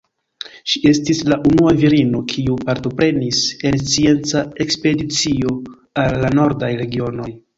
Ŝi estis la unua virino kiu partoprenis en scienca ekspedicio al la nordaj regionoj.